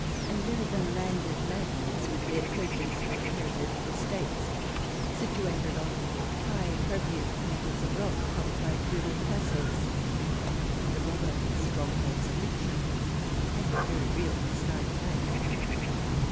And there are the landed magnates with their purchased or inherited estates, situated on high, appropriate pinnacles of rock, topped by feudal castles — the robber strongholds of fiction and of very real historic fact.